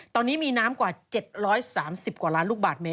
ตอนนี้มีน้ำกว่า๗๓๐กว่าล้านลูกบาทเมต